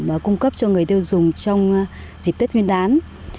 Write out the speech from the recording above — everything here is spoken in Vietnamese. và cung cấp cho người tiêu dùng trong dịp tết nguyên đán